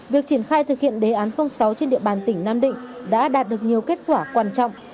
việc triển khai thực hiện đề án sáu trên địa bàn tỉnh nam định đã đạt được nhiều kết quả quan trọng